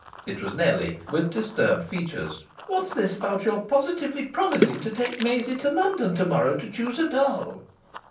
It was Nellie, with disturbed features. "What's this about your positively promising to take Maisie to London to morrow to choose a doll?"